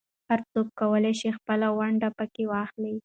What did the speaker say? هر څوک کولای شي خپله ونډه پکې واخلي.